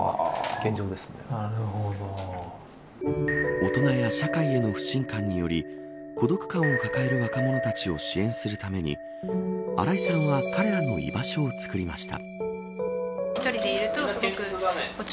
大人や社会への不信感により孤独感を抱える若者たちを支援するために荒井さんは、彼らの居場所を作りました。